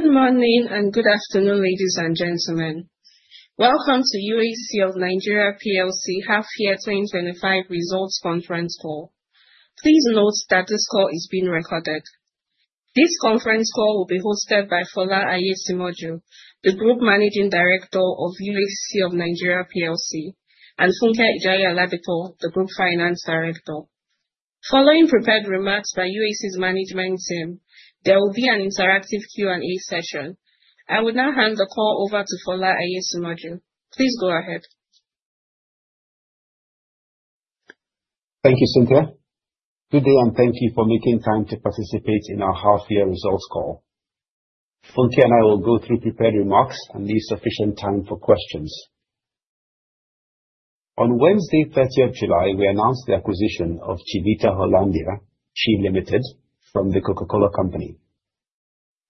Good morning and good afternoon, ladies and gentlemen. Welcome to UAC of Nigeria Plc half year 2025 results conference call. Please note that this call is being recorded. This conference call will be hosted by Fola Aiyesimoju, the Group Managing Director of UAC of Nigeria Plc, and Funke Ijaiya-Oladipo, the Group Finance Director. Following prepared remarks by UAC's management team, there will be an interactive Q&A session. I will now hand the call over to Fola Aiyesimoju. Please go ahead. Thank you, Cynthia. Good day, and thank you for making time to participate in our half year results call. Funke and I will go through prepared remarks and leave sufficient time for questions. On Wednesday 30th July, we announced the acquisition of Chivita Hollandia, CHI Limited from The Coca-Cola Company.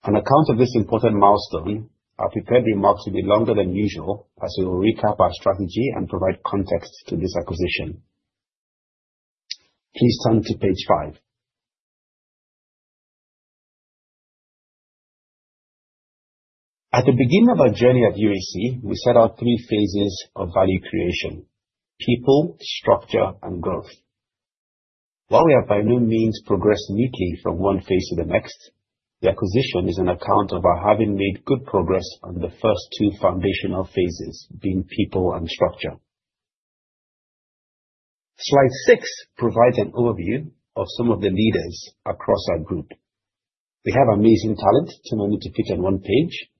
On account of this important milestone, our prepared remarks will be longer than usual as we will recap our strategy and provide context to this acquisition. Please turn to page five. At the beginning of our journey at UAC, we set out three phases of value creation: people, structure, and growth. While we have by no means progressed neatly from one phase to the next, the acquisition is an account of our having made good progress on the first two foundational phases, being people and structure. Slide six provides an overview of some of the leaders across our group. We have amazing talent, too many to fit on one page,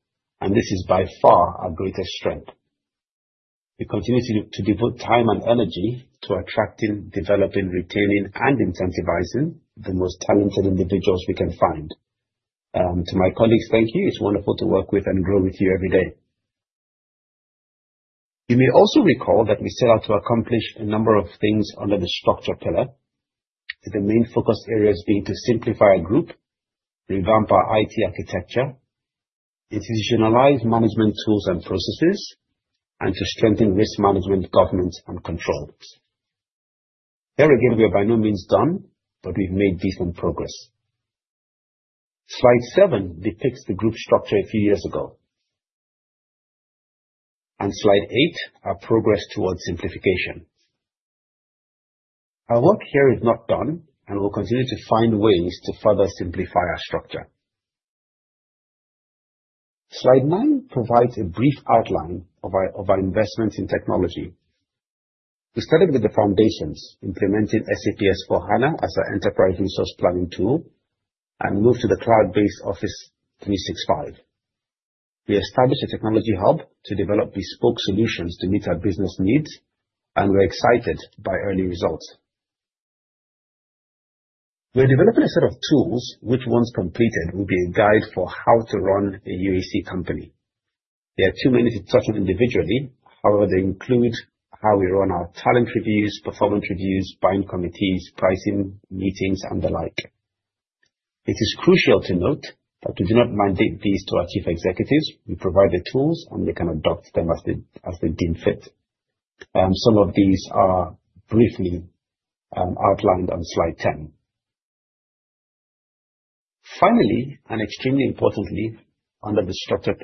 and this is by far our greatest strength. We continue to devote time and energy to attracting, developing, retaining, and incentivizing the most talented individuals we can find. To my colleagues, thank you. It's wonderful to work with and grow with you every day. You may also recall that we set out to accomplish a number of things under the structure pillar, with the main focus areas being to simplify our group, revamp our IT architecture, institutionalize management tools and processes, and to strengthen risk management, governance, and controls. There again, we are by no means done, but we've made decent progress. Slide seven depicts the group structure a few years ago. On slide eight, our progress towards simplification. Our work here is not done, and we'll continue to find ways to further simplify our structure. Slide nine provides a brief outline of our investment in technology. We started with the foundations, implementing SAP S/4HANA as our enterprise resource planning tool, and moved to the cloud-based Office 365. We established a technology hub to develop bespoke solutions to meet our business needs, and we're excited by early results. We are developing a set of tools which once completed, will be a guide for how to run a UAC company. There are too many to touch on individually. However, they include how we run our talent reviews, performance reviews, buying committees, pricing, meetings, and the like. It is crucial to note that we do not mandate these to our chief executives. We provide the tools, and they can adopt them as they deem fit. Some of these are briefly outlined on slide 10. Finally, extremely importantly, under the structure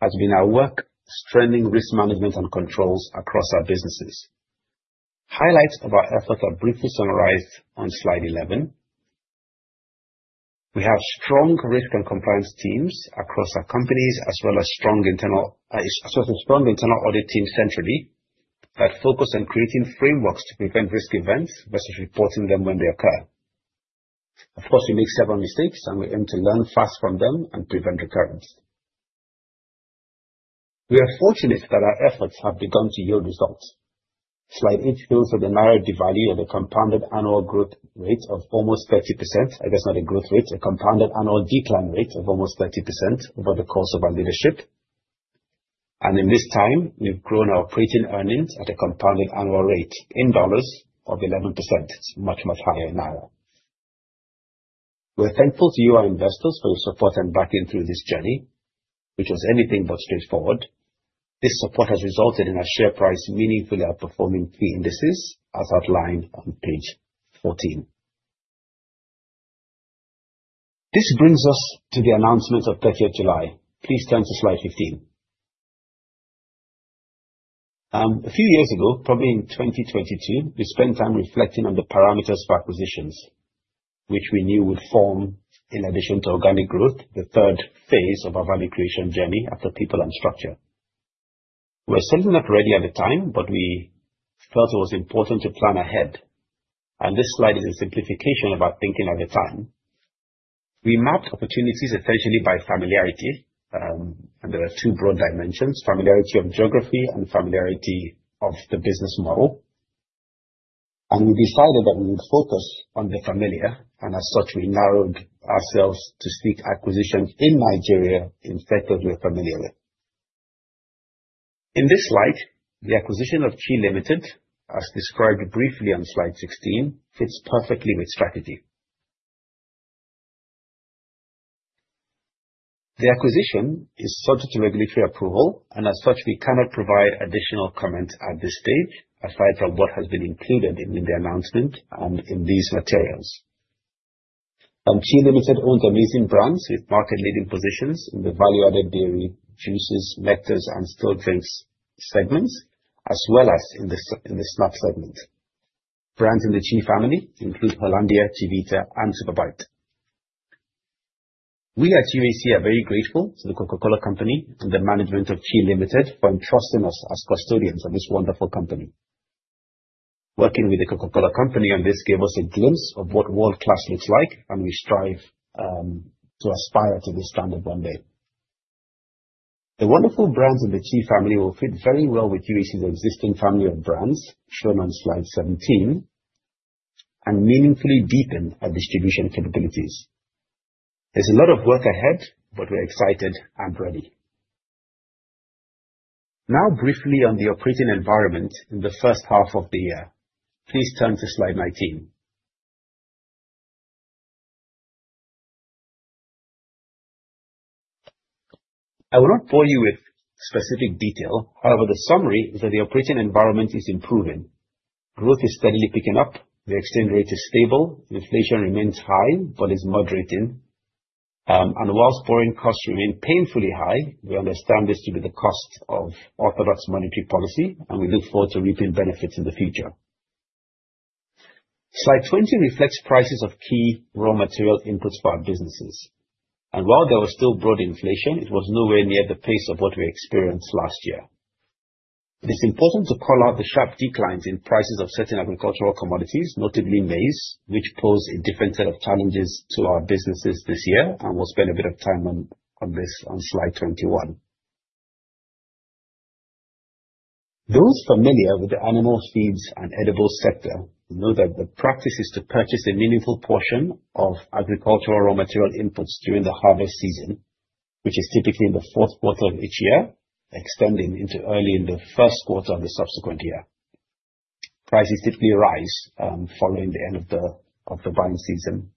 pillar, has been our work strengthening risk management and controls across our businesses. Highlights of our efforts are briefly summarized on slide 11. We have strong risk and compliance teams across our companies, as well as a strong internal audit team centrally that focus on creating frameworks to prevent risk events versus reporting them when they occur. Of course, we make several mistakes, and we aim to learn fast from them and prevent recurrence. We are fortunate that our efforts have begun to yield results. Slide 8 shows the NGN devalue at a compounded annual growth rate of almost 30%. I guess not a growth rate, a compounded annual decline rate of almost 30% over the course of our leadership. In this time, we've grown our operating earnings at a compounded annual rate in USD of 11%, much, much higher in NGN. We are thankful to you, our investors, for your support and backing through this journey, which was anything but straightforward. This support has resulted in our share price meaningfully outperforming key indices as outlined on page 14. This brings us to the announcement of 30th July. Please turn to slide 15. A few years ago, probably in 2022, we spent time reflecting on the parameters for acquisitions, which we knew would form, in addition to organic growth, the third phase of our value creation journey after people and structure. We were certainly not ready at the time, but we felt it was important to plan ahead. This slide is a simplification of our thinking at the time. We mapped opportunities essentially by familiarity. There are two broad dimensions, familiarity of geography and familiarity of the business model. We decided that we would focus on the familiar, and as such, we narrowed ourselves to seek acquisitions in Nigeria in sectors we are familiar with. In this light, the acquisition of CHI Limited, as described briefly on slide 16, fits perfectly with strategy. The acquisition is subject to regulatory approval, and as such, we cannot provide additional comment at this stage aside from what has been included in the announcement and in these materials. CHI Limited owns amazing brands with market-leading positions in the value-added dairy, juices, nectars, and still drinks segments, as well as in the snack segment. Brands in the CHI family include Hollandia, Chivita, and Superbite. We at UAC are very grateful to The Coca-Cola Company and the management of CHI Limited for entrusting us as custodians of this wonderful company. Working with The Coca-Cola Company on this gave us a glimpse of what world-class looks like, and we strive to aspire to this standard one day. The wonderful brands in the CHI family will fit very well with UAC's existing family of brands, shown on slide 17, and meaningfully deepen our distribution capabilities. There's a lot of work ahead, but we're excited and ready. Now briefly on the operating environment in the first half of the year. Please turn to slide 19. I will not bore you with specific detail. However, the summary is that the operating environment is improving. Growth is steadily picking up. The exchange rate is stable. Inflation remains high but is moderating. Whilst foreign costs remain painfully high, we understand this to be the cost of orthodox monetary policy, and we look forward to reaping benefits in the future. Slide 20 reflects prices of key raw material inputs for our businesses. While there was still broad inflation, it was nowhere near the pace of what we experienced last year. It is important to call out the sharp declines in prices of certain agricultural commodities, notably maize, which pose a different set of challenges to our businesses this year. We'll spend a bit of time on this on slide 21. Those familiar with the animal feeds and edible sector know that the practice is to purchase a meaningful portion of agricultural raw material inputs during the harvest season, which is typically in the fourth quarter of each year, extending into early in the first quarter of the subsequent year. Prices typically rise following the end of the buying season.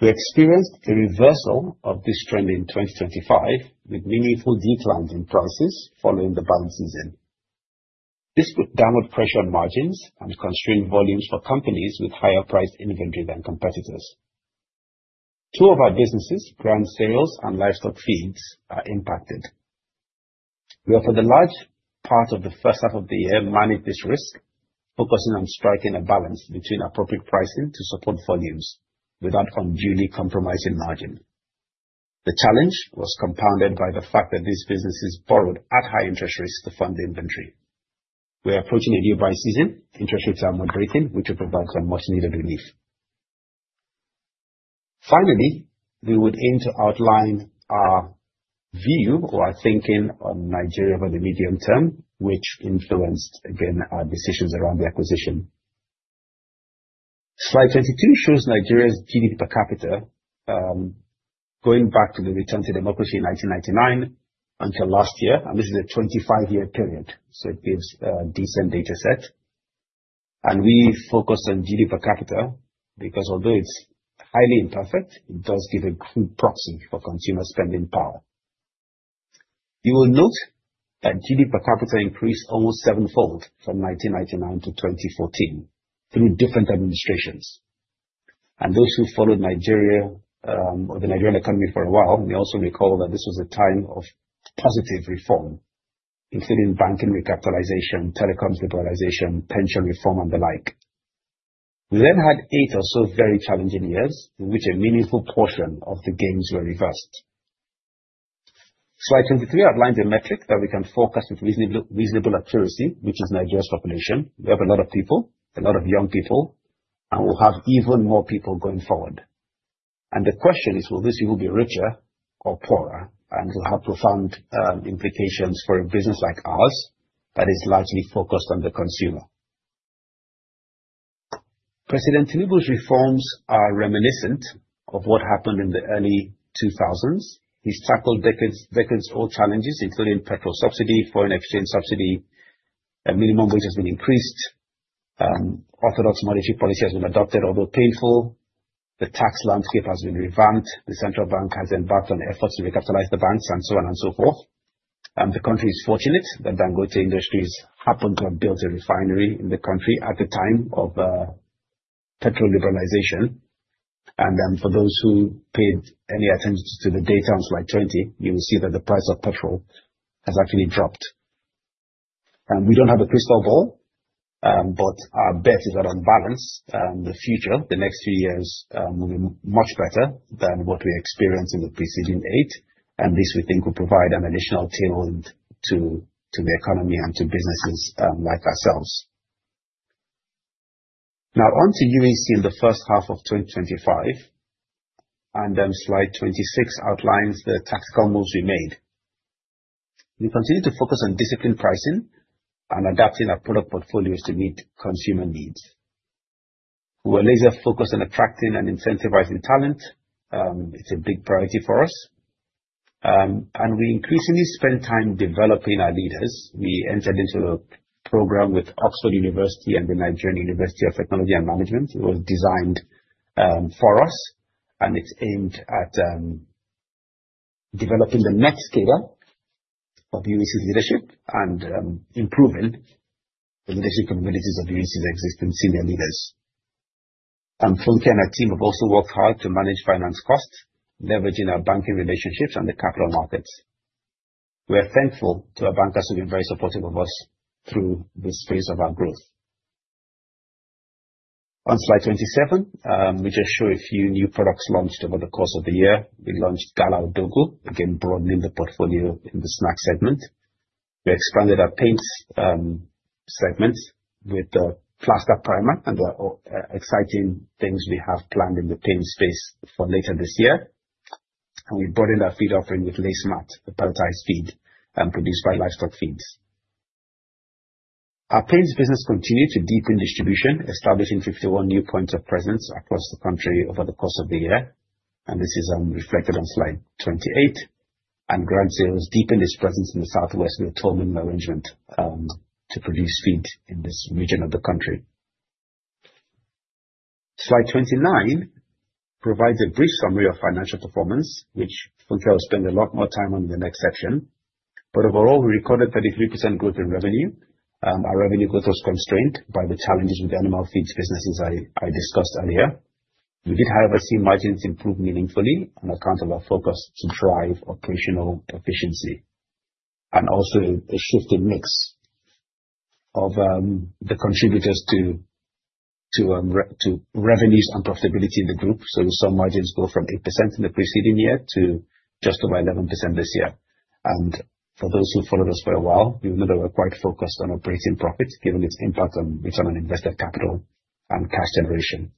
We experienced a reversal of this trend in 2025, with meaningful declines in prices following the buying season. This put downward pressure on margins and constrained volumes for companies with higher priced inventory than competitors. Two of our businesses, grain silos and Livestock Feeds, are impacted. We have, for the large part of the first half of the year, managed this risk, focusing on striking a balance between appropriate pricing to support volumes without unduly compromising margin. The challenge was compounded by the fact that these businesses borrowed at high interest rates to fund the inventory. We are approaching a new buying season. Interest rates are moderating, which will provide some much-needed relief. We would aim to outline our view or our thinking on Nigeria over the medium term, which influenced, again, our decisions around the acquisition. Slide 22 shows Nigeria's GDP per capita, going back to the return to democracy in 1999 until last year. This is a 25-year period, so it gives a decent data set. We focus on GDP per capita because although it's highly imperfect, it does give a crude proxy for consumer spending power. You will note that GDP per capita increased almost sevenfold from 1999 to 2014 through different administrations. Those who followed Nigeria or the Nigerian economy for a while may also recall that this was a time of positive reform, including banking recapitalization, telecoms liberalization, pension reform, and the like. We then had eight or so very challenging years in which a meaningful portion of the gains were reversed. Slide 23 outlines a metric that we can forecast with reasonable accuracy, which is Nigeria's population. We have a lot of people, a lot of young people. We'll have even more people going forward. The question is, will these people be richer or poorer? Will have profound implications for a business like ours that is largely focused on the consumer. President Tinubu's reforms are reminiscent of what happened in the early 2000s. He's tackled decades-old challenges, including petrol subsidy, foreign exchange subsidy, a minimum wage has been increased, orthodox monetary policy has been adopted, although painful. The tax landscape has been revamped. The central bank has embarked on efforts to recapitalize the banks and so on and so forth. The country is fortunate that Dangote Industries happened to have built a refinery in the country at the time of petrol liberalization. For those who paid any attention to the data on slide 20, you will see that the price of petrol has actually dropped. We don't have a crystal ball, but our bet is that on balance, the future, the next few years, will be much better than what we experienced in the preceding eight, and this we think will provide an additional tailwind to the economy and to businesses like ourselves. Now on to UAC in the first half of 2025, slide 26 outlines the tactical moves we made. We continue to focus on disciplined pricing and adapting our product portfolios to meet consumer needs. We are laser-focused on attracting and incentivizing talent. It's a big priority for us. We increasingly spend time developing our leaders. We entered into a program with University of Oxford and the Nigerian University of Technology and Management. It was designed for us, and it's aimed at developing the next scale of UAC leadership and improving the leadership capabilities of UAC's existing senior leaders. Funke and her team have also worked hard to manage finance costs, leveraging our banking relationships and the capital markets. We are thankful to our bankers who have been very supportive of us through this phase of our growth. On slide 27, we just show a few new products launched over the course of the year. We launched Gala Abogo, again, broadening the portfolio in the snack segment. We expanded our paints segment with the plaster primer, and there are exciting things we have planned in the paint space for later this year. We broadened our feed offering with Lay Smart, the pelletized feed, produced by Livestock Feeds. Our paints business continued to deepen distribution, establishing 51 new points of presence across the country over the course of the year. This is reflected on slide 28. Grand Cereals deepened its presence in the southwest with a tolling arrangement to produce feed in this region of the country. Slide 29 provides a brief summary of financial performance, which Funke will spend a lot more time on in the next section. But overall, we recorded 33% growth in revenue. Our revenue growth was constrained by the challenges with animal feeds business, as I discussed earlier. We did, however, see margins improve meaningfully on account of our focus to drive operational efficiency. Also a shift in mix of the contributors to revenues and profitability in the group. So we saw margins go from 8% in the preceding year to just over 11% this year. For those who followed us for a while, you'll know that we're quite focused on operating profit, given its impact on return on invested capital and cash generation.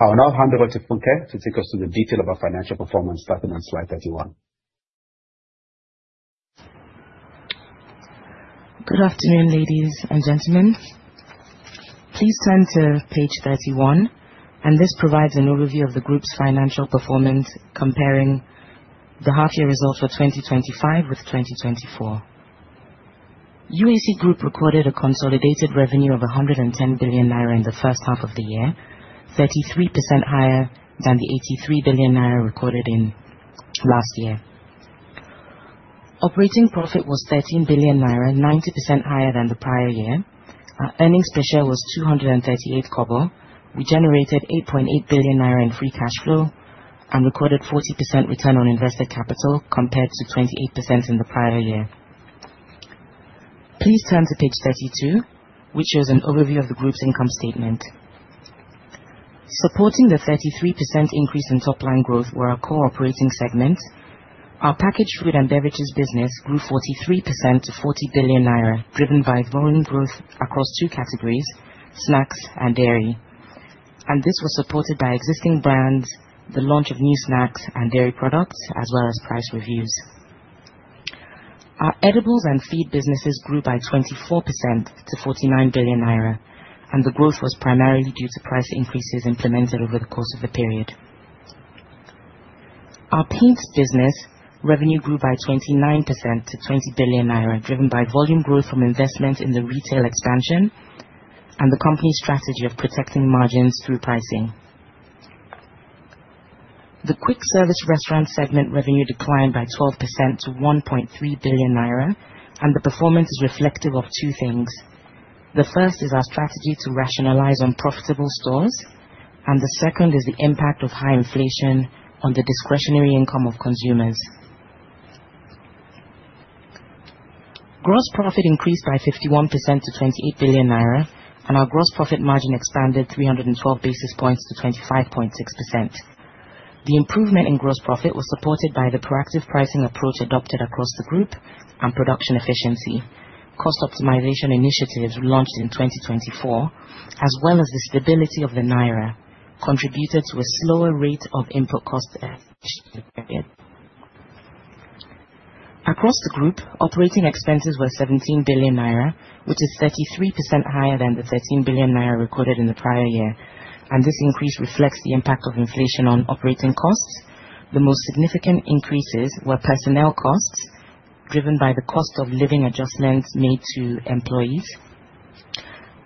I will now hand over to Funke to take us through the detail of our financial performance, starting on slide 31. Good afternoon, ladies and gentlemen. Please turn to page 31. This provides an overview of the group's financial performance, comparing the half year results for 2025 with 2024. UAC Group recorded a consolidated revenue of 110 billion naira in the first half of the year, 33% higher than the 83 billion naira recorded in last year. Operating profit was 13 billion naira, 90% higher than the prior year. Our EPS was 2.38. We generated 8.8 billion naira in free cash flow and recorded 40% ROIC compared to 28% in the prior year. Please turn to page 32, which shows an overview of the group's income statement. Supporting the 33% increase in top line growth were our core operating segments. Our packaged food and beverages business grew 43% to 40 billion naira, driven by volume growth across 2 categories: snacks and dairy. This was supported by existing brands, the launch of new snacks and dairy products, as well as price reviews. Our edibles and feed businesses grew by 24% to 49 billion naira. The growth was primarily due to price increases implemented over the course of the period. Our paints business revenue grew by 29% to 20 billion naira, driven by volume growth from investment in the retail expansion and the company's strategy of protecting margins through pricing. The QSR segment revenue declined by 12% to 1.3 billion naira. The performance is reflective of two things. The first is our strategy to rationalize unprofitable stores. The second is the impact of high inflation on the discretionary income of consumers. Gross profit increased by 51% to 28 billion naira. Our gross profit margin expanded 312 basis points to 25.6%. The improvement in gross profit was supported by the proactive pricing approach adopted across the group and production efficiency. Cost optimization initiatives launched in 2024, as well as the stability of the naira, contributed to a slower rate of input cost the period. Across the group, operating expenses were 17 billion naira, which is 33% higher than the 13 billion naira recorded in the prior year. This increase reflects the impact of inflation on operating costs. The most significant increases were personnel costs, driven by the cost of living adjustments made to employees,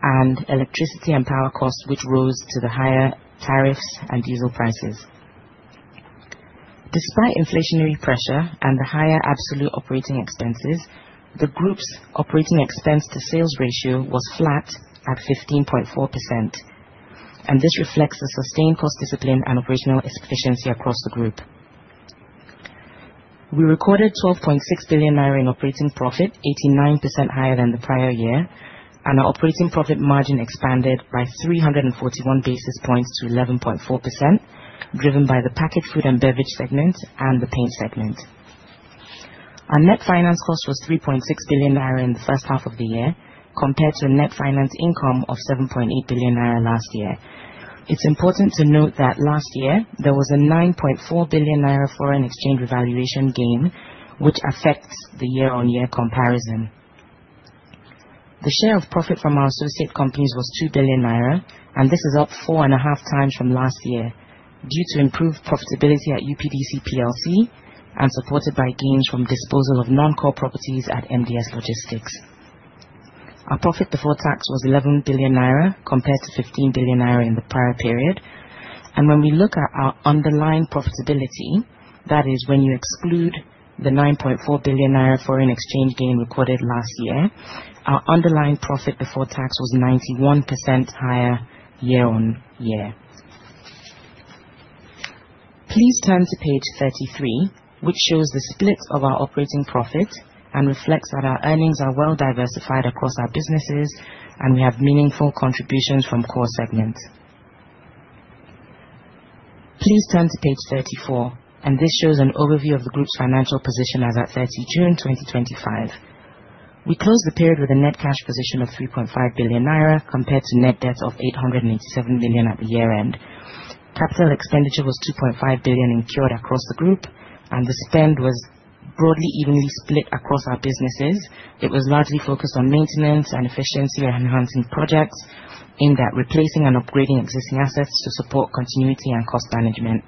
and electricity and power costs, which rose to the higher tariffs and diesel prices. Despite inflationary pressure and the higher absolute operating expenses, the group's operating expense to sales ratio was flat at 15.4%. This reflects the sustained cost discipline and operational efficiency across the group. We recorded 12.6 billion naira in operating profit, 89% higher than the prior year. Our operating profit margin expanded by 341 basis points to 11.4%, driven by the packaged food and beverage segment and the paint segment. Our net finance cost was 3.6 billion naira in the first half of the year compared to a net finance income of 7.8 billion naira last year. It's important to note that last year, there was a 9.4 billion naira foreign exchange revaluation gain which affects the year-on-year comparison. The share of profit from our associate companies was 2 billion naira. This is up four and a half times from last year due to improved profitability at UPDC Plc and supported by gains from disposal of non-core properties at MDS Logistics. Our profit before tax was 11 billion naira compared to 15 billion naira in the prior period. When we look at our underlying profitability, that is when you exclude the 9.4 billion naira foreign exchange gain recorded last year, our underlying profit before tax was 91% higher year-on-year. Please turn to page 33, which shows the split of our operating profit and reflects that our earnings are well diversified across our businesses, and we have meaningful contributions from core segments. Please turn to page 34. This shows an overview of the group's financial position as at 30 June 2025. We closed the period with a net cash position of 3.5 billion naira compared to net debt of 887 million at the year-end. Capital expenditure was 2.5 billion incurred across the group. The spend was broadly evenly split across our businesses. It was largely focused on maintenance and efficiency enhancing projects, in that replacing and upgrading existing assets to support continuity and cost management.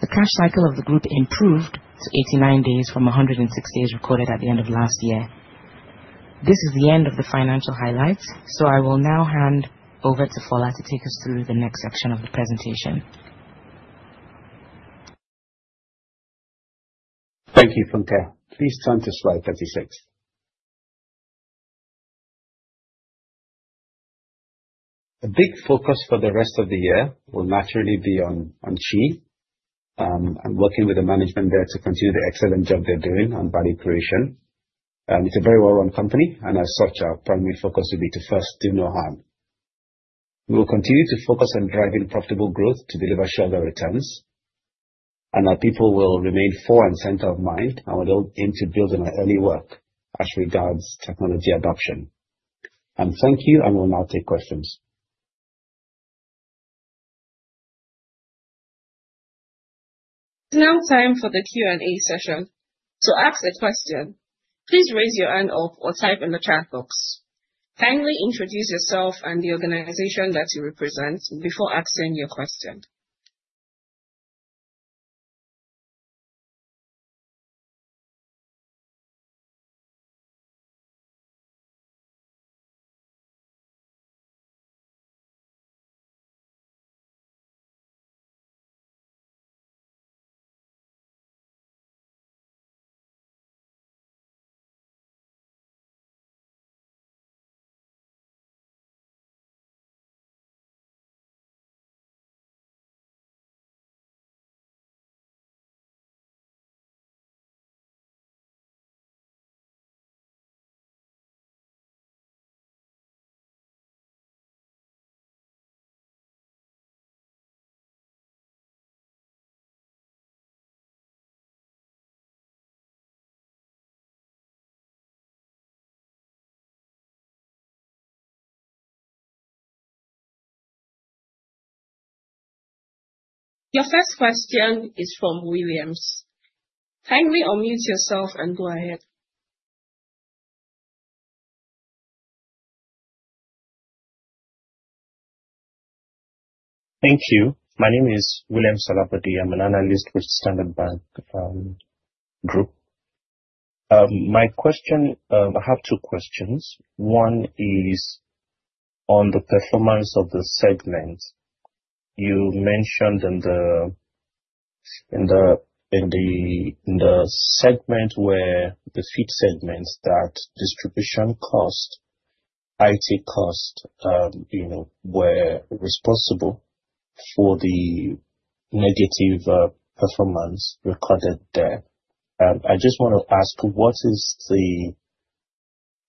The cash cycle of the group improved to 89 days from 106 days recorded at the end of last year. This is the end of the financial highlights, I will now hand over to Fola to take us through the next section of the presentation. Thank you, Funke. Please turn to slide 36. A big focus for the rest of the year will naturally be on CHI. I am working with the management there to continue the excellent job they are doing on value creation. It is a very well-run company, as such, our primary focus will be to first do no harm. We will continue to focus on driving profitable growth to deliver shareholder returns. Our people will remain fore and center of mind and will aim to build on our early work as regards technology adoption. Thank you. We will now take questions. It is now time for the Q&A session. To ask a question, please raise your hand up or type in the chat box. Kindly introduce yourself and the organization that you represent before asking your question. Your first question is from Williams. Kindly unmute yourself and go ahead. Thank you. My name is William Salapati. I am an analyst with Standard Bank Group. I have two questions. One is on the performance of the segment. You mentioned in the segment where, the feed segment, that distribution cost, IT cost, were responsible for the negative performance recorded there. I just want to ask, what is the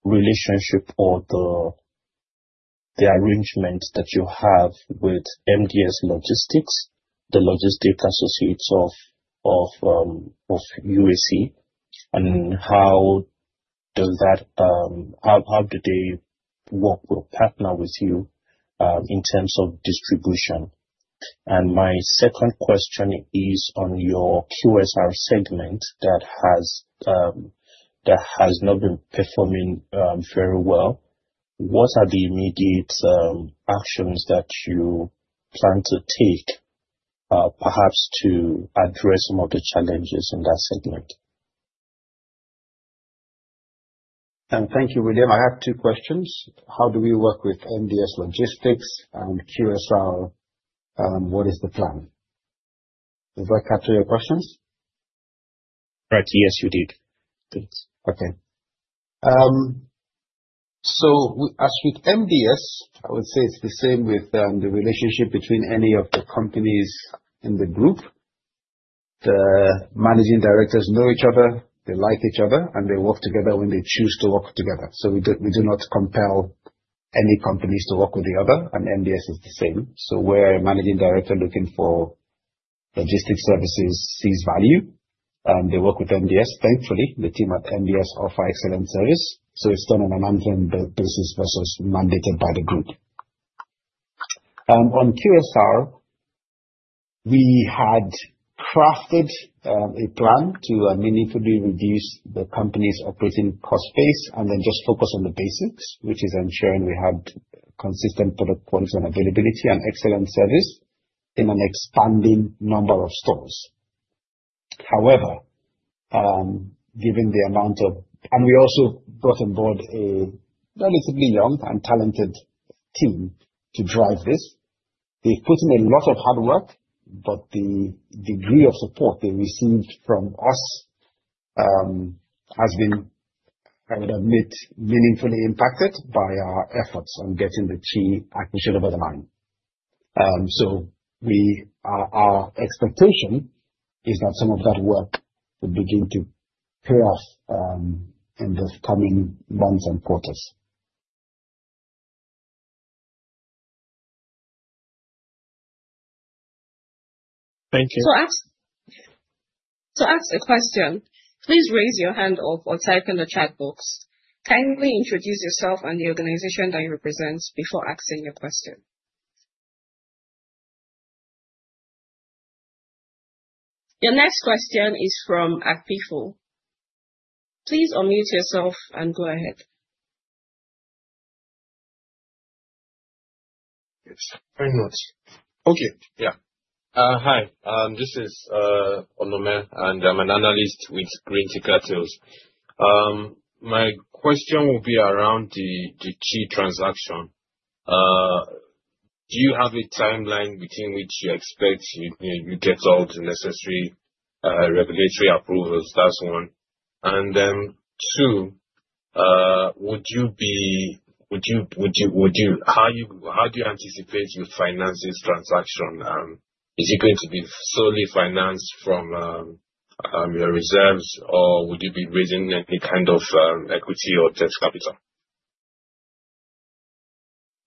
relationship or the arrangement that you have with MDS Logistics, the logistic associates of UAC, and how do they work or partner with you in terms of distribution? My second question is on your QSR segment that has not been performing very well. What are the immediate actions that you plan to take, perhaps to address some of the challenges in that segment? Thank you, William. I have two questions. How do we work with MDS Logistics and QSR, and what is the plan? Does that capture your questions? Right. Yes, you did. Thanks. Okay. As with MDS, I would say it is the same with the relationship between any of the companies in the group. The managing directors know each other, they like each other, and they work together when they choose to work together. We do not compel any companies to work with the other, and MDS is the same. Where a managing director looking for logistic services sees value, they work with MDS. Thankfully, the team at MDS offer excellent service. It is done on an arm's length basis versus mandated by the group. On QSR, we had crafted a plan to meaningfully reduce the company's operating cost base and then just focus on the basics, which is ensuring we have consistent product quality and availability and excellent service in an expanding number of stores. However, we also brought on board a relatively young and talented team to drive this. They put in a lot of hard work, the degree of support they received from us has been, I would admit, meaningfully impacted by our efforts on getting the CHI acquisition over the line. Our expectation is that some of that work will begin to pay off in the coming months and quarters. Thank you. To ask a question, please raise your hand or type in the chat box. Kindly introduce yourself and the organization that you represent before asking your question. The next question is from Apifo. Please unmute yourself and go ahead. Yes. Thank you very much. Okay. Yeah. Hi, this is Onome, and I'm an analyst with Green Tiger Capital. My question will be around the CHI transaction. Do you have a timeline within which you expect you get all the necessary regulatory approvals? That's one. Then two, how do you anticipate you'll finance this transaction? Is it going to be solely financed from your reserves, or would you be raising any kind of equity or debt capital?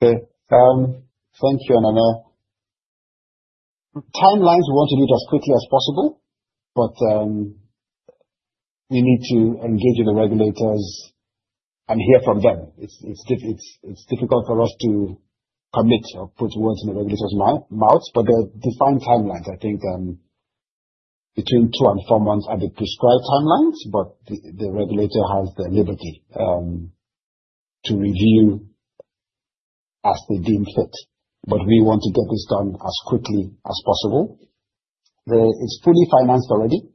Okay. Thank you, Onome. Timelines, we want to do it as quickly as possible. We need to engage with the regulators and hear from them. It's difficult for us to commit or put words in the regulators' mouths. They've defined timelines. I think between two and four months are the prescribed timelines. The regulator has the liberty to review as they deem fit. We want to get this done as quickly as possible. It's fully financed already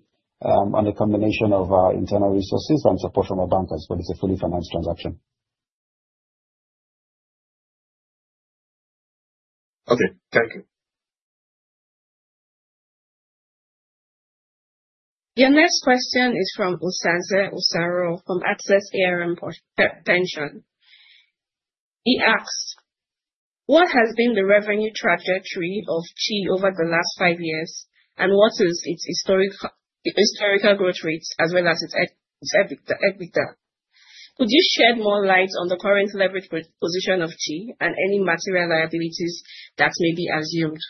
on a combination of our internal resources and support from our bankers. It's a fully financed transaction. Okay. Thank you. Your next question is from Osaze Osaro from Access ARM Pension. He asks, "What has been the revenue trajectory of Chi over the last five years, and what is its historical growth rates as well as its EBITDA? Could you shed more light on the current leverage position of Chi and any material liabilities that may be assumed?"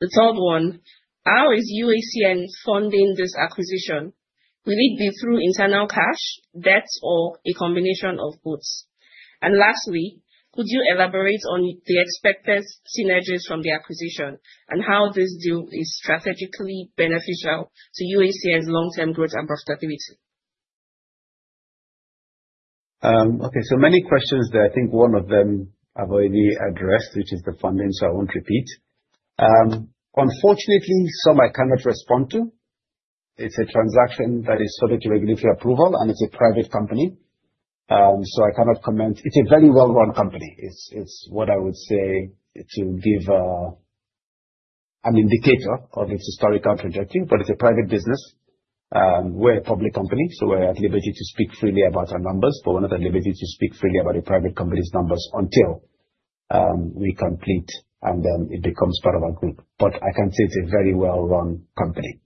The third one, "How is UACN funding this acquisition? Will it be through internal cash, debts, or a combination of both?" Lastly, "Could you elaborate on the expected synergies from the acquisition and how this deal is strategically beneficial to UACN's long-term growth and profitability? Okay. Many questions there. I think one of them I've already addressed, which is the funding. I won't repeat. Unfortunately, some I cannot respond to. It's a transaction that is subject to regulatory approval. It's a private company. I cannot comment. It's a very well-run company, is what I would say to give an indicator of its historical trajectory. It's a private business. We're a public company. We're at liberty to speak freely about our numbers. We're not at liberty to speak freely about a private company's numbers until we complete and then it becomes part of our group. I can say it's a very well-run company.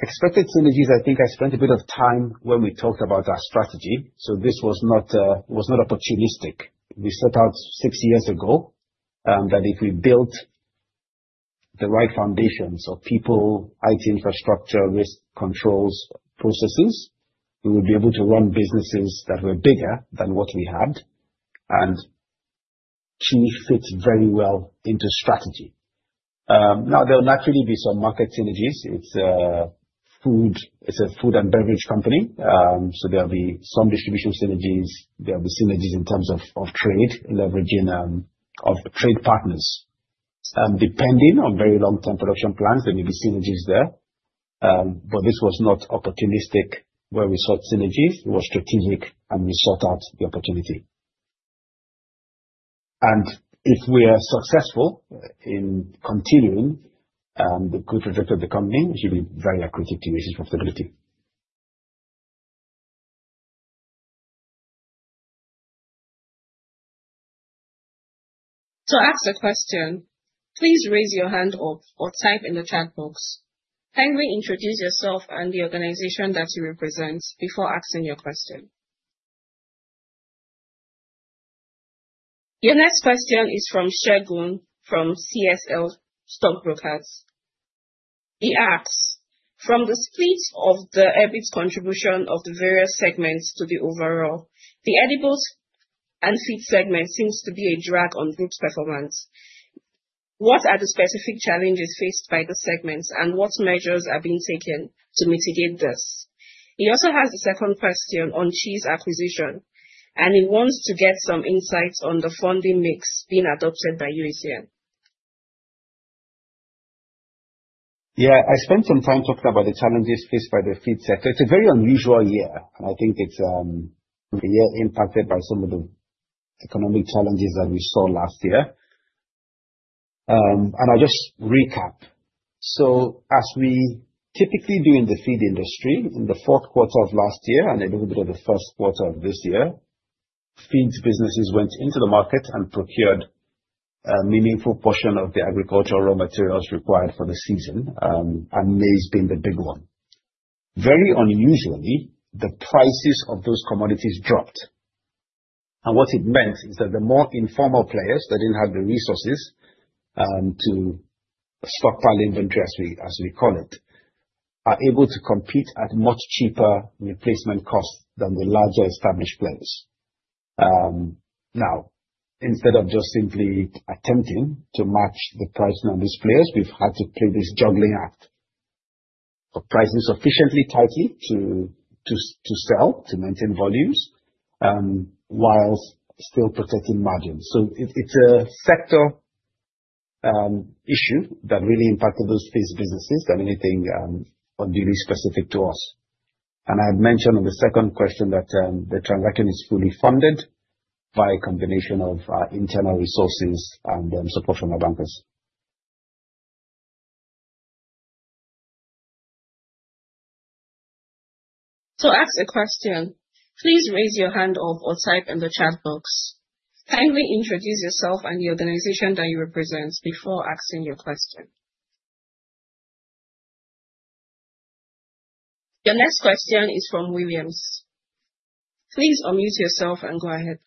Expected synergies, I think I spent a bit of time when we talked about our strategy. This was not opportunistic. We set out six years ago that if we built the right foundations of people, IT infrastructure, risk controls, processes, we would be able to run businesses that were bigger than what we had. CHI fits very well into strategy. There'll naturally be some market synergies. It's a food and beverage company. There'll be some distribution synergies, there'll be synergies in terms of trade, leveraging of trade partners. Depending on very long-term production plans, there may be synergies there. This was not opportunistic where we sought synergies. It was strategic, and we sought out the opportunity. If we are successful in continuing the good trajectory of the company, it should be very accretive to UACN profitability. To ask a question, please raise your hand or type in the chat box. Kindly introduce yourself and the organization that you represent before asking your question. Your next question is from Segun from CSL Stockbrokers. He asks, "From the split of the EBIT contribution of the various segments to the overall, the edibles and feed segment seems to be a drag on group's performance. What are the specific challenges faced by the segments, and what measures are being taken to mitigate this?" He also has a second question on CHI's acquisition, and he wants to get some insights on the funding mix being adopted by UACN. Yeah. I spent some time talking about the challenges faced by the feed sector. It's a very unusual year, and I think it's a year impacted by some of the economic challenges that we saw last year. I'll just recap. As we typically do in the feed industry, in the fourth quarter of last year and a little bit of the first quarter of this year, feeds businesses went into the market and procured a meaningful portion of the agricultural raw materials required for the season, and maize being the big one. Very unusually, the prices of those commodities dropped. What it meant is that the more informal players that didn't have the resources to stockpile inventory, as we call it, are able to compete at much cheaper replacement costs than the larger established players. Instead of just simply attempting to match the pricing of these players, we've had to play this juggling act of pricing sufficiently tightly to sell, to maintain volumes, whilst still protecting margins. It's a sector issue that really impacted those feed businesses than anything unduly specific to us. I had mentioned on the second question that the transaction is fully funded by a combination of our internal resources and support from our bankers. To ask a question, please raise your hand up or type in the chat box. Kindly introduce yourself and the organization that you represent before asking your question. The next question is from Williams. Please unmute yourself and go ahead.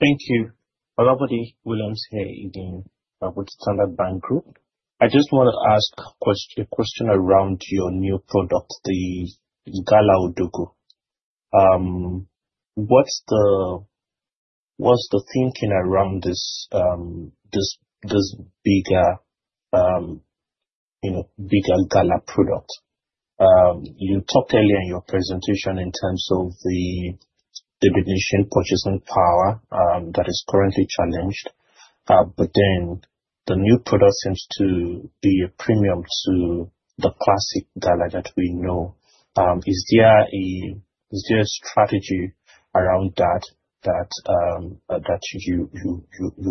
Thank you. Olabode Williams here with Standard Bank Group. I just want to ask a question around your new product, the Gala Odogwu. What's the thinking around this bigger Gala product? You talked earlier in your presentation in terms of the Nigerian purchasing power, that is currently challenged. The new product seems to be a premium to the classic Gala that we know. Is there a strategy around that that you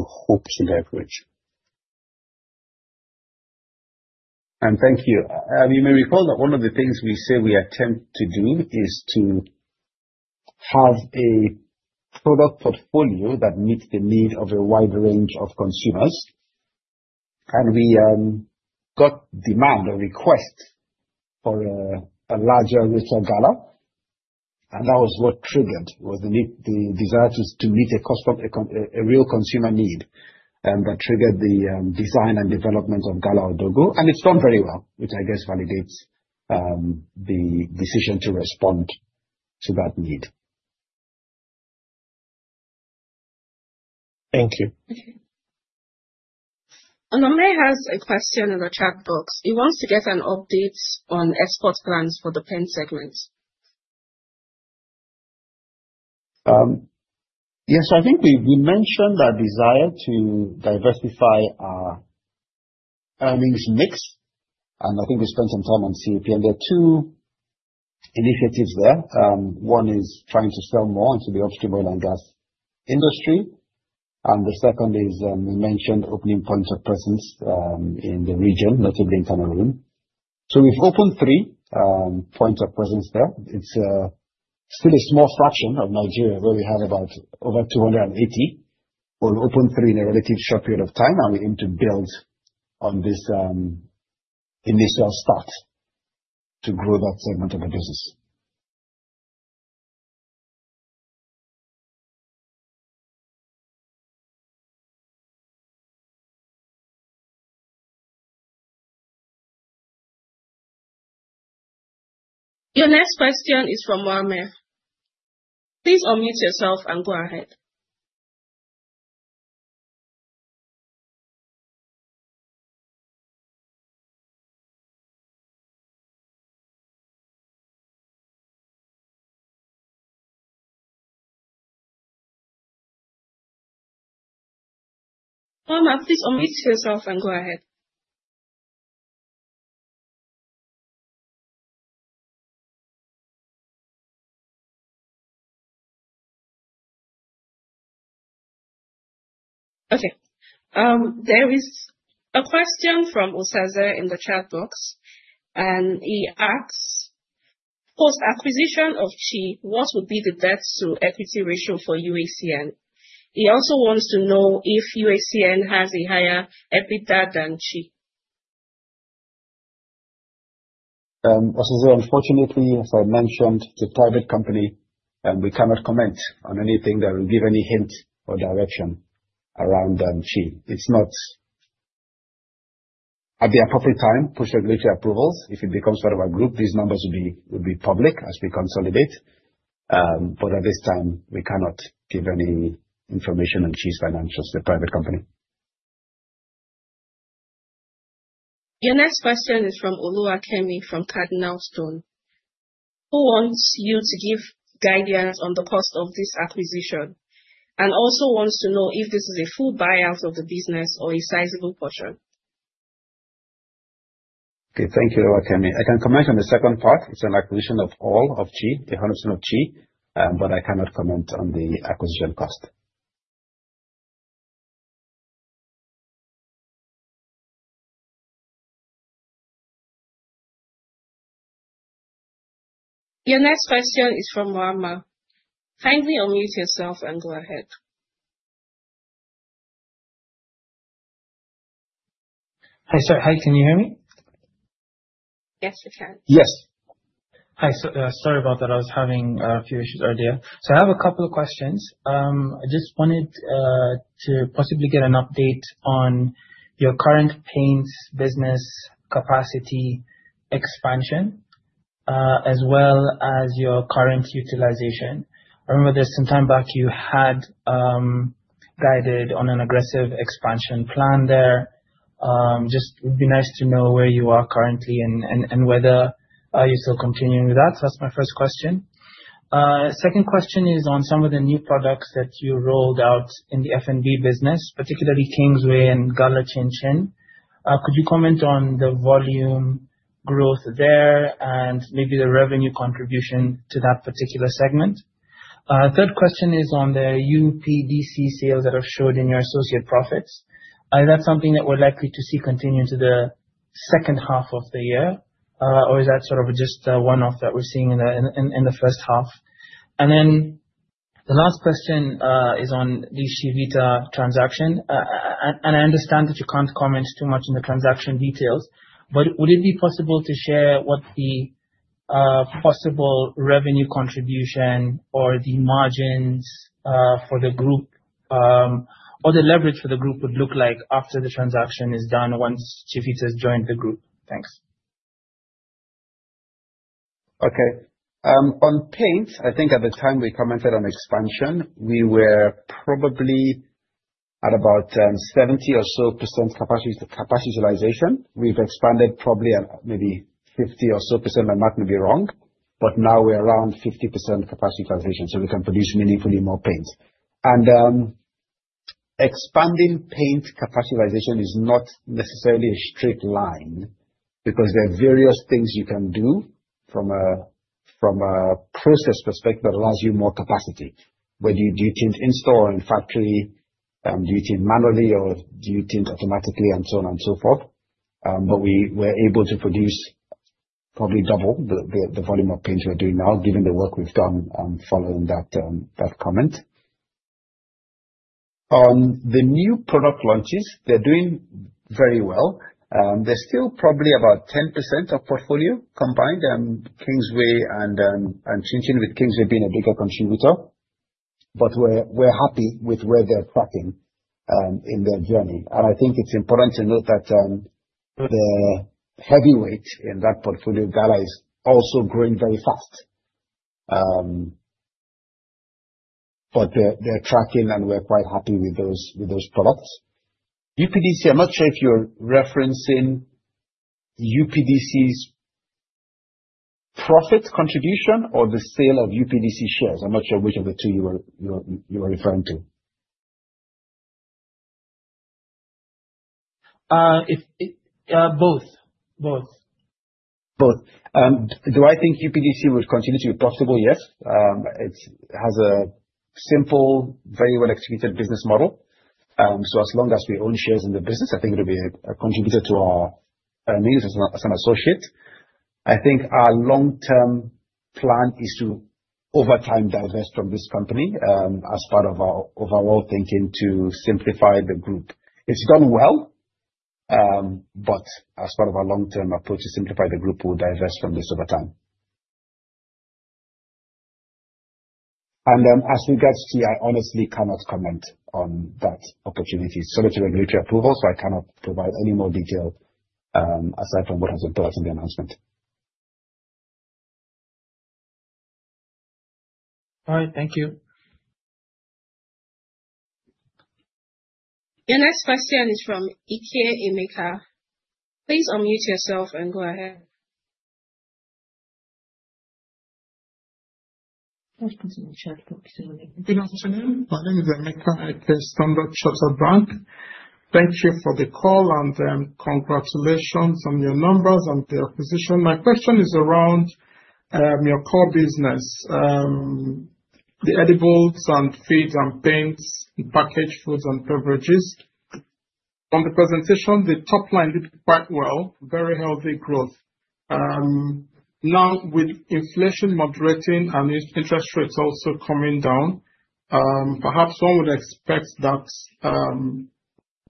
hope to leverage? Thank you. You may recall that one of the things we say we attempt to do is to have a product portfolio that meets the need of a wide range of consumers. We got demand or request for a larger ritual Gala, that was what triggered the desire to meet a real consumer need, that triggered the design and development of Gala Odogwu. It's done very well, which I guess validates the decision to respond to that need. Thank you. Okay. Onome has a question in the chat box. He wants to get an update on export plans for the paint segment. Yes. I think we mentioned our desire to diversify our earnings mix, and I think we spent some time on CAP Plc, and there are two initiatives there. One is trying to sell more into the upstream oil and gas industry, and the second is, we mentioned opening points of presence in the region, notably in Cameroon. We've opened three points of presence there. It is still a small fraction of Nigeria, where we have about over 280. We will open three in a relatively short period of time, and we aim to build on this initial start to grow that segment of the business. Your next question is from Muamer. Please unmute yourself and go ahead. Muamer, please unmute yourself and go ahead. Okay. There is a question from Osaze in the chat box, and he asks, post acquisition of Chi, what would be the debt to equity ratio for UACN? He also wants to know if UACN has a higher EBITDA than Chi. Osaze, unfortunately, as I mentioned, it is a private company, and we cannot comment on anything that will give any hint or direction around Chi. At the appropriate time, push regulatory approvals. If it becomes part of our group, these numbers will be public as we consolidate. At this time, we cannot give any information on Chi's financials. They are a private company. Your next question is from Oluwakemi from CardinalStone, who wants you to give guidance on the cost of this acquisition, and also wants to know if this is a full buyout of the business or a sizable portion. Okay. Thank you, Oluwakemi. I can comment on the second part. It's an acquisition of all of CHI, 100% of CHI. I cannot comment on the acquisition cost. Your next question is from Rama. Kindly unmute yourself and go ahead. Hi. Sorry, can you hear me? Yes, we can. Yes. Hi. Sorry about that. I was having a few issues earlier. I have a couple of questions. I just wanted to possibly get an update on your current paints business capacity expansion, as well as your current utilization. I remember some time back you had guided on an aggressive expansion plan there. It would be nice to know where you are currently and whether you're still continuing with that. That's my first question. Second question is on some of the new products that you rolled out in the F&B business, particularly Kingsway and Gala Chin Chin. Could you comment on the volume growth there and maybe the revenue contribution to that particular segment? Third question is on the UPDC sales that are showed in your associate profits. Is that something that we're likely to see continue into the second half of the year? Is that sort of just a one-off that we're seeing in the first half? The last question is on the Chivita transaction. I understand that you can't comment too much on the transaction details, but would it be possible to share what the possible revenue contribution or the margins for the group, or the leverage for the group would look like after the transaction is done once Chivita's joined the group? Thanks. Okay. On paints, I think at the time we commented on expansion, we were probably at about 70% or so capacity utilization. We've expanded probably at maybe 50% or so. I might be wrong. Now we're around 50% capacity utilization, so we can produce meaningfully more paints. Expanding paint capacity utilization is not necessarily a straight line, because there are various things you can do from a process perspective that allows you more capacity. Whether you do tint in store, in factory, do you tint manually or do you tint automatically, and so on and so forth. We were able to produce probably double the volume of paints we're doing now, given the work we've done following that comment. On the new product launches, they're doing very well. They're still probably about 10% of portfolio combined, Kingsway and Chin Chin, with Kingsway being a bigger contributor. We're happy with where they're tracking in their journey. I think it's important to note that the heavyweight in that portfolio, Gala, is also growing very fast. They're tracking, and we're quite happy with those products. UPDC, I'm not sure if you're referencing UPDC's profit contribution or the sale of UPDC shares. I'm not sure which of the two you are referring to. Both. Both. Do I think UPDC will continue to be profitable? Yes. It has a simple, very well-executed business model. As long as we own shares in the business, I think it'll be a contributor to our earnings as an associate. I think our long-term plan is to, over time, divest from this company, as part of our overall thinking to simplify the group. It's done well, as part of our long-term approach to simplify the group, we'll divest from this over time. As regards Chi, I honestly cannot comment on that opportunity. It's subject to regulatory approval, so I cannot provide any more detail, aside from what has been put out in the announcement. All right. Thank you. Your next question is from Ike Emeka. Please unmute yourself and go ahead. Good afternoon, sir. Good afternoon. My name is Emeka Ike, Standard Chartered Bank. Thank you for the call. Congratulations on your numbers and the acquisition. My question is around your core business. The edibles and feeds and paints, the packaged foods and beverages. On the presentation, the top line did quite well, very healthy growth. Now, with inflation moderating and interest rates also coming down, perhaps one would expect that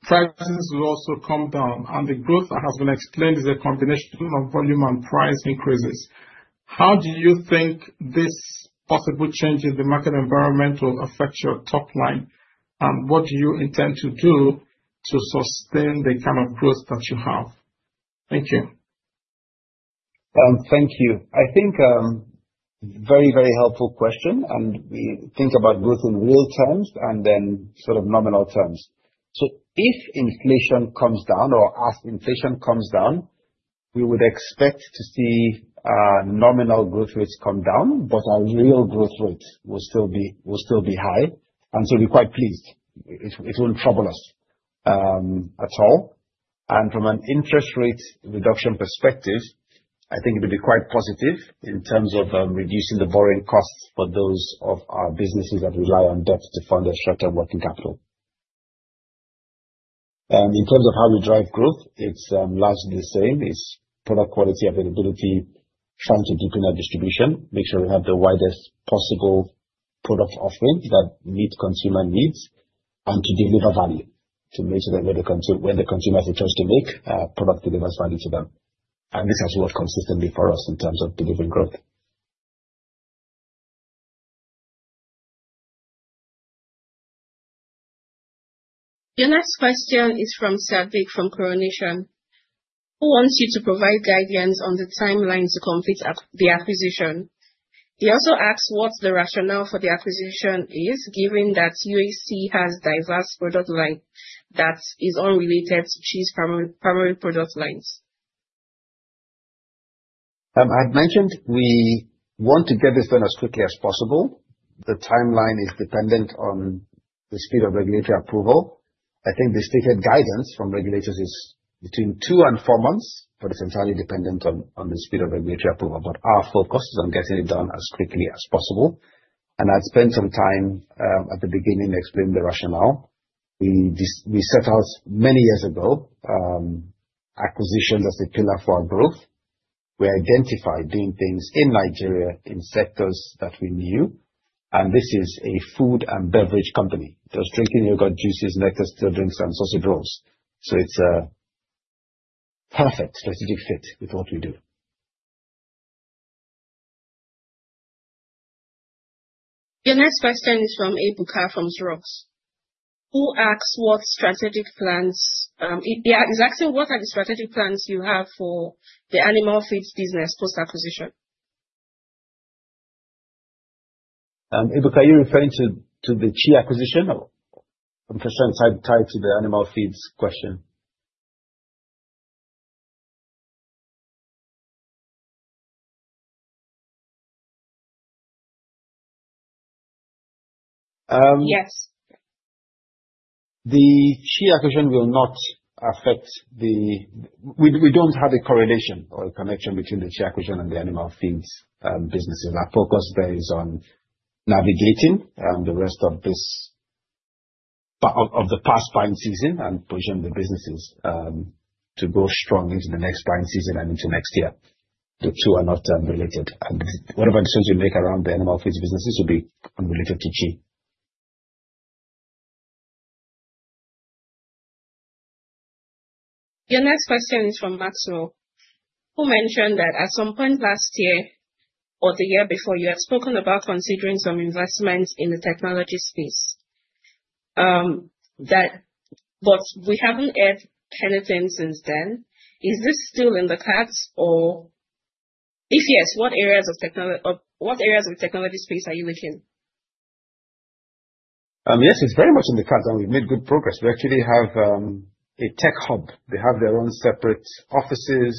prices will also come down. The growth that has been explained is a combination of volume and price increases. How do you think this possible change in the market environment will affect your top line? What do you intend to do to sustain the kind of growth that you have? Thank you. Thank you. I think very helpful question. We think about growth in real terms and then nominal terms. If inflation comes down or as inflation comes down, we would expect to see our nominal growth rates come down, but our real growth rate will still be high. We're quite pleased. It won't trouble us at all. From an interest rate reduction perspective, I think it'll be quite positive in terms of reducing the borrowing costs for those of our businesses that rely on debt to fund their short-term working capital. In terms of how we drive growth, it's largely the same. It's product quality, availability, trying to deepen our distribution, make sure we have the widest possible product offering that meet consumer needs. To deliver value. To make sure that where the consumers are chose to make, our product delivers value to them. This has worked consistently for us in terms of delivering growth. Your next question is from Savic, from Coronation, who wants you to provide guidance on the timeline to complete the acquisition. He also asks what the rationale for the acquisition is, given that UAC has diverse product line that is unrelated to CHI's primary product lines. I've mentioned we want to get this done as quickly as possible. The timeline is dependent on the speed of regulatory approval. I think the stated guidance from regulators is between two and four months, but it's entirely dependent on the speed of regulatory approval. Our focus is on getting it done as quickly as possible. I spent some time, at the beginning, explaining the rationale. We set out many years ago, acquisitions as a pillar for our growth. We identified doing things in Nigeria in sectors that we knew, and this is a food and beverage company. Those drinking yogurt, juices, nectar, still drinks, and sausages. It's a perfect strategic fit with what we do. Your next question is from Ebuka from Zirock, who asks what are the strategic plans you have for the animal feeds business post-acquisition? Ebuka, are you referring to the CHI acquisition? I'm not sure it's tied to the animal feeds question. Yes. The CHI acquisition will not affect the We don't have a correlation or a connection between the CHI acquisition and the animal feeds businesses. Our focus there is on navigating the rest of the past buying season and positioning the businesses to go strong into the next buying season and into next year. The two are not related. Whatever decisions we make around the animal feeds businesses will be unrelated to CHI. Your next question is from Maxwell, who mentioned that at some point last year or the year before, you had spoken about considering some investments in the technology space. We haven't heard anything since then. Is this still in the cards or if yes, what areas of technology space are you looking? Yes, it's very much in the cards, and we've made good progress. We actually have a tech hub. They have their own separate offices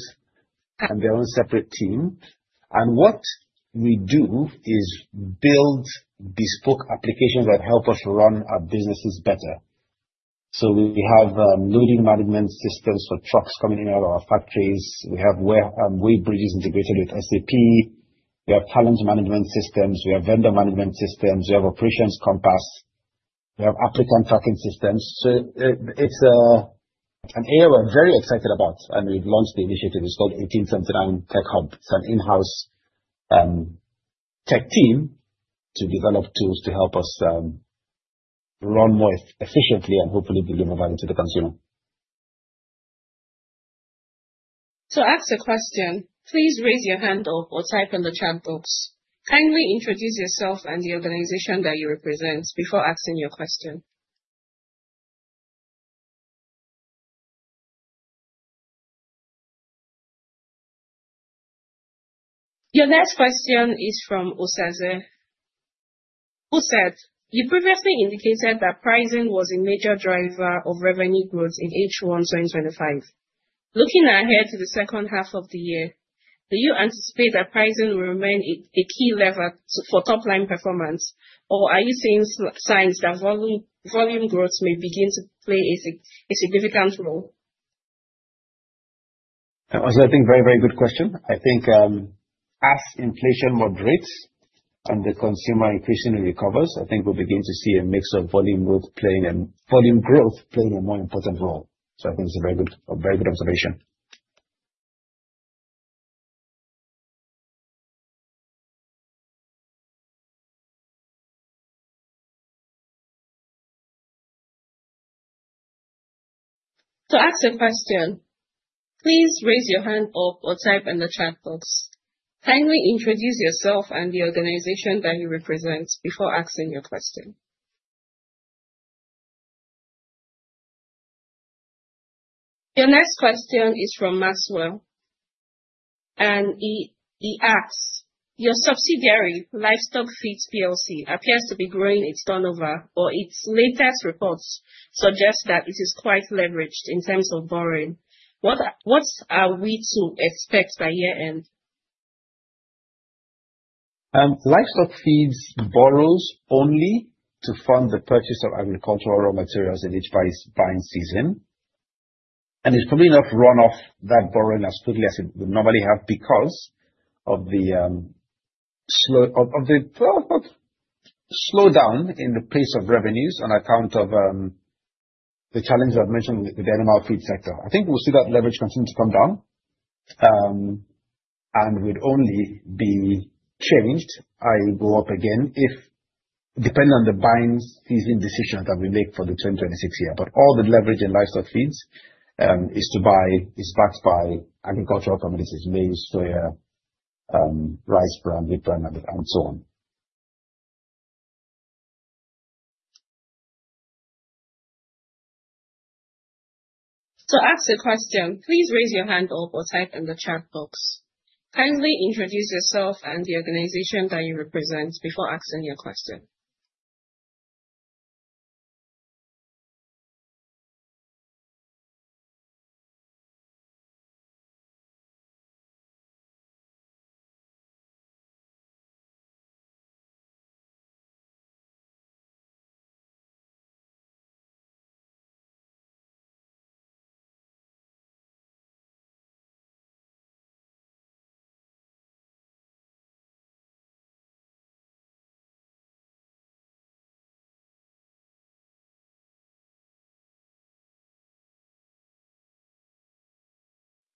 and their own separate team. What we do is build bespoke applications that help us run our businesses better. We have loading management systems for trucks coming in and out of our factories. We have weigh bridges integrated with SAP. We have talent management systems. We have vendor management systems. We have operations compass. We have applicant tracking systems. It's an area we're very excited about, and we've launched the initiative. It's called 1879 Tech Hub. It's an in-house tech team to develop tools to help us run more efficiently and hopefully deliver value to the consumer. To ask a question, please raise your hand up or type in the chat box. Kindly introduce yourself and the organization that you represent before asking your question. Your next question is from Osaze, who said you previously indicated that pricing was a major driver of revenue growth in H1 2025. Looking ahead to the second half of the year, do you anticipate that pricing will remain a key lever for top-line performance, or are you seeing signs that volume growth may begin to play a significant role? Osaze, I think very good question. I think as inflation moderates and the consumer increasingly recovers, I think we'll begin to see a mix of volume growth playing a more important role. I think it's a very good observation. To ask a question, please raise your hand up or type in the chat box. Kindly introduce yourself and the organization that you represent before asking your question. The next question is from Maxwell. He asks: "Your subsidiary, Livestock Feeds PLC, appears to be growing its turnover, but its latest reports suggest that it is quite leveraged in terms of borrowing. What are we to expect by year-end? Livestock Feeds borrows only to fund the purchase of agricultural raw materials in each buying season. It's probably not run off that borrowing as fully as it would normally have because of the slowdown in the pace of revenues on account of the challenges I've mentioned with the animal feed sector. I think we'll see that leverage continue to come down, would only be changed or go up again depending on the buying season decisions that we make for the 2026 year. All the leverage in Livestock Feeds is backed by agricultural commodities, maize, soya, rice bran, wheat bran, and so on. To ask a question, please raise your hand or type in the chat box. Kindly introduce yourself and the organization that you represent before asking your question.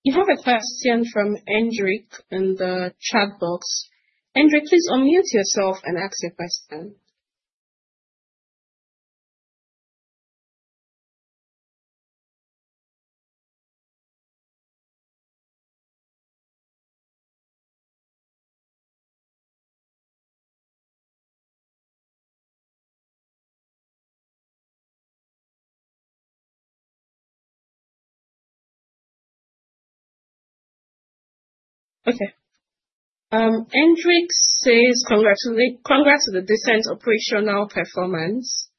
We have a question from Hendrick in the chat box. Hendrick, please unmute yourself and ask your question. Okay. Hendrick says, "Congrats on the decent operational performance.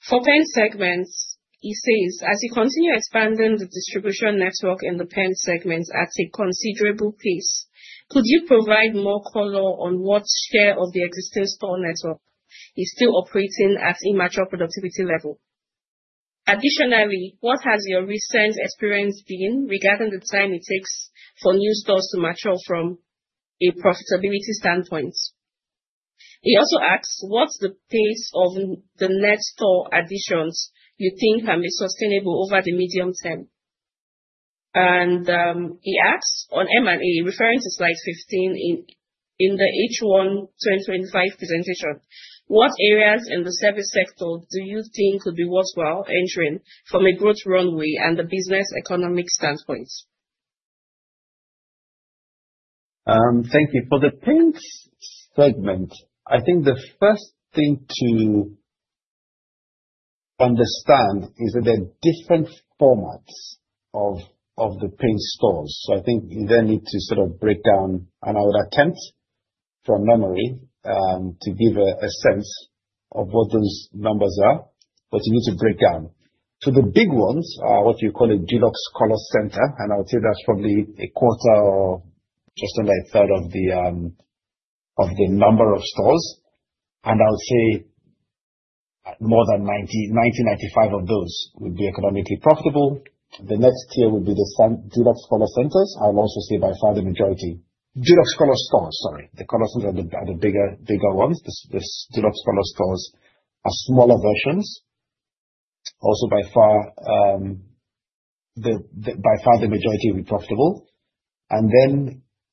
For paint segments," he says, "as you continue expanding the distribution network in the paint segments at a considerable pace, could you provide more color on what share of the existing store network is still operating at a mature productivity level? What has your recent experience been regarding the time it takes for new stores to mature from a profitability standpoint?" He also asks, "What's the pace of the net store additions you think are sustainable over the medium term?" He asks, "On M&A, referring to slide 15 in the H1 2025 presentation, what areas in the service sector do you think could be worthwhile entering from a growth runway and a business economic standpoint? Thank you. For the paint segment, I think the first thing to understand is that there are different formats of the paint stores. I think you then need to sort of break down, and I would attempt from memory, to give a sense of what those numbers are. You need to break down. The big ones are what you call a Dulux Colour Centre, and I would say that's probably a quarter or just under a third of the number of stores. I would say more than 90, 95 of those would be economically profitable. The next tier would be the Dulux Colour Centres. I would also say by far the majority. Dulux Colour Stores, sorry. The Colour Centres are the bigger ones. The Dulux Colour Stores are smaller versions. Also, by far, the majority will be profitable.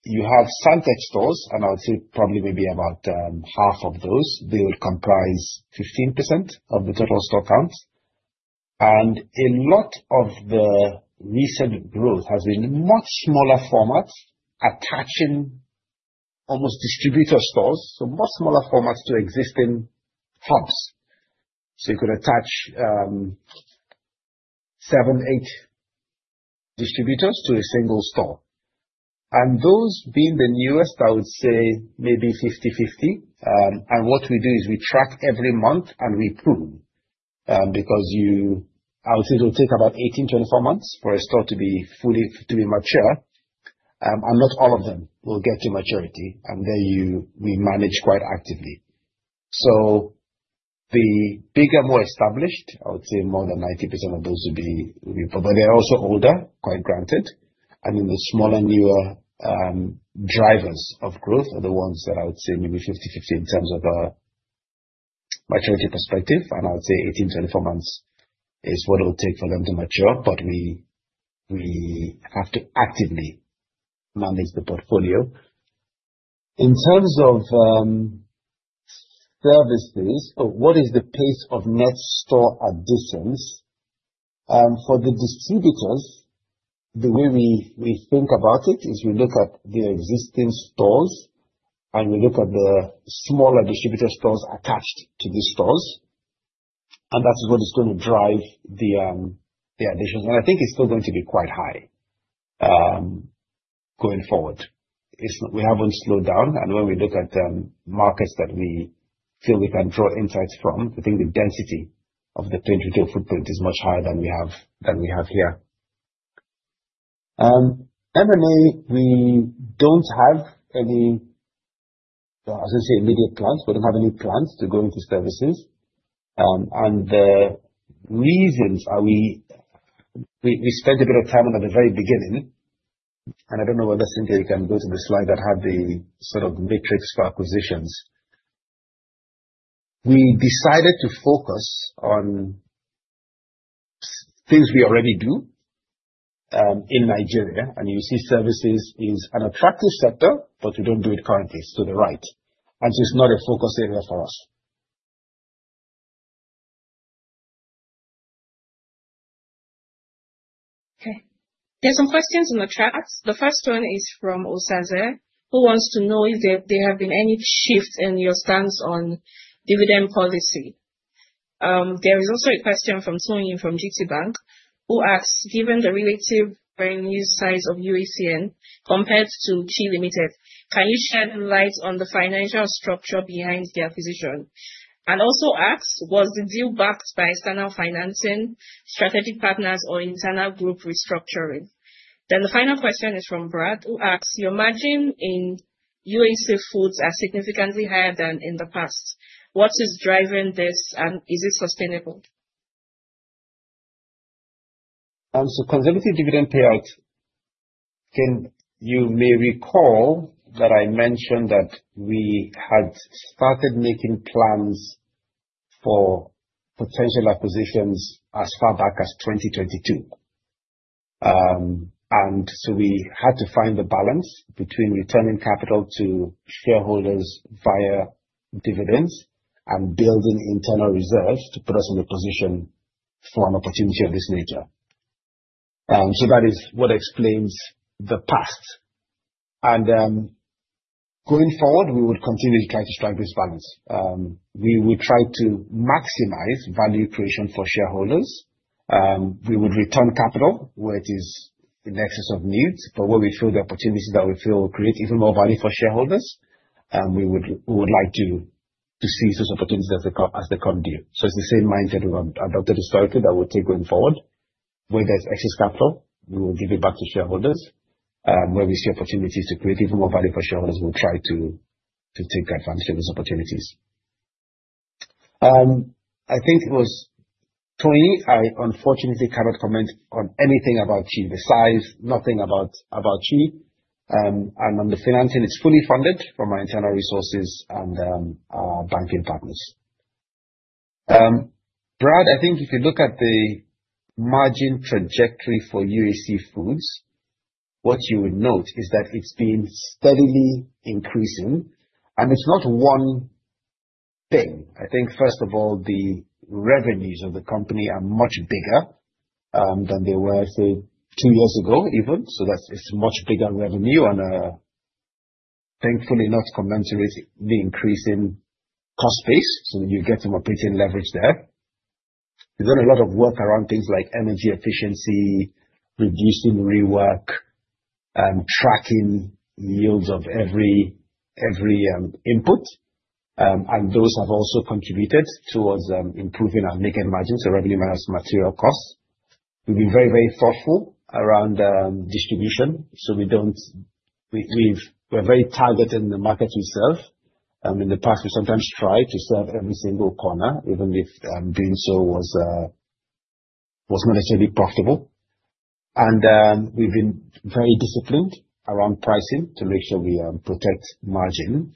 You have Sandtex stores, and I would say probably maybe about half of those, they will comprise 15% of the total store count. A lot of the recent growth has been much smaller formats attaching almost distributor stores. Much smaller formats to existing hubs. You could attach seven, eight distributors to a single store. Those being the newest, I would say maybe 50/50. What we do is we track every month and we prune. I would say it will take about 18, 24 months for a store to be mature. Not all of them will get to maturity. We manage quite actively. The bigger, more established, I would say more than 90% of those would be profitable. They're also older, quite granted. The smaller, newer drivers of growth are the ones that I would say maybe 50/50 in terms of a maturity perspective. I would say 18, 24 months is what it would take for them to mature. We have to actively manage the portfolio. In terms of services or what is the pace of net store additions. For the distributors, the way we think about it is we look at the existing stores, and we look at the smaller distributor stores attached to these stores, and that is what is going to drive the additions. I think it's still going to be quite high going forward. We haven't slowed down, when we look at the markets that we feel we can draw insights from, I think the density of the trade retail footprint is much higher than we have here. M&A, we don't have any, I wouldn't say immediate plans, we don't have any plans to go into services. The reasons are, we spent a bit of time on at the very beginning, I don't know whether, Cynthia, you can go to the slide that had the sort of metrics for acquisitions. We decided to focus on things we already do in Nigeria, you see services is an attractive sector, but we don't do it currently. It's to the right, so it's not a focus area for us. Okay. There's some questions in the chat. The first one is from Osaze, who wants to know if there have been any shifts in your stance on dividend policy. There is also a question from Tony, from GTBank, who asks, "Given the relative revenue size of UACN compared to CHI Limited, can you shed light on the financial structure behind the acquisition?" Also asks, "Was the deal backed by external financing, strategic partners, or internal group restructuring?" The final question is from Brad, who asks, "Your margin in UAC Foods are significantly higher than in the past. What is driving this, and is it sustainable? Conservative dividend payout, you may recall that I mentioned that we had started making plans for potential acquisitions as far back as 2022. We had to find the balance between returning capital to shareholders via dividends and building internal reserves to put us in a position for an opportunity of this nature. That is what explains the past. Going forward, we would continue to try to strike this balance. We would try to maximize value creation for shareholders. We would return capital where it is in excess of needs, but where we feel the opportunities that we feel will create even more value for shareholders, we would like to see such opportunities as they come due. It's the same mindset we've adopted historically that we'll take going forward. Where there's excess capital, we will give it back to shareholders. Where we see opportunities to create even more value for shareholders, we'll try to take advantage of those opportunities. I think it was Tony. I unfortunately cannot comment on anything about Chi. The size, nothing about Chi. On the financing, it's fully funded from our internal resources and our banking partners. Brad, I think if you look at the margin trajectory for UAC Foods, what you would note is that it's been steadily increasing, it's not one thing. I think first of all, the revenues of the company are much bigger than they were, say, two years ago even. That it's much bigger revenue and thankfully not commensurate the increase in cost base, so you get some operating leverage there. We've done a lot of work around things like energy efficiency, reducing rework, tracking yields of every input. Those have also contributed towards improving our margin, so revenue minus material costs. We've been very thoughtful around distribution. We're very targeted in the market itself. In the past, we sometimes tried to serve every single corner, even if doing so was not necessarily profitable. We've been very disciplined around pricing to make sure we protect margin.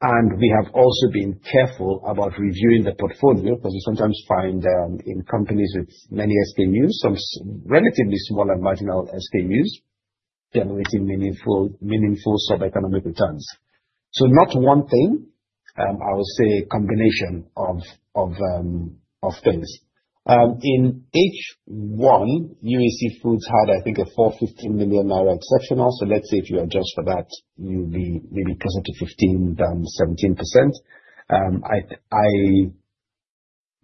We have also been careful about reviewing the portfolio, because we sometimes find, in companies with many SKUs, some relatively small and marginal SKUs generating meaningful sub economic returns. Not one thing, I would say a combination of things. In H1, UAC Foods had, I think, a 450 million naira exceptional. Let's say if you adjust for that, you'll be maybe closer to 15% than 17%.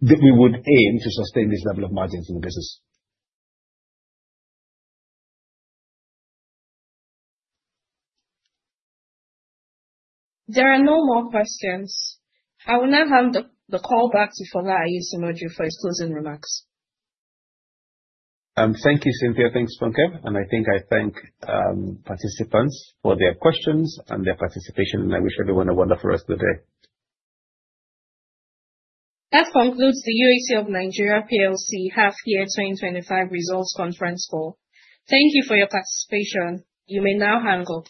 We would aim to sustain this level of margins in the business. There are no more questions. I will now hand the call back to Fola Aiyesimoju for his closing remarks. Thank you, Cynthia. Thanks, Funke. I think I thank participants for their questions and their participation, I wish everyone a wonderful rest of the day. That concludes the UAC of Nigeria PLC half year 2025 results conference call. Thank you for your participation. You may now hang up.